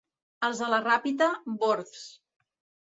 Els de la Ràpita, bords.